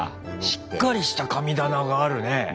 しっかりした神棚があるね。